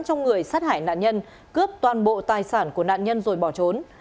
trong người sát hại nạn nhân cướp toàn bộ tài sản của nạn nhân rồi bỏ trốn